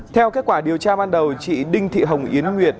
theo kết quả điều tra ban đầu chị đinh thị hồng yến nguyệt